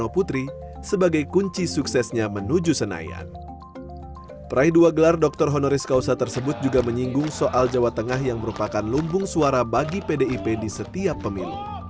pdip boyolali juga menanggung soal jawat tengah yang merupakan lumbung suara bagi pdip di setiap pemilu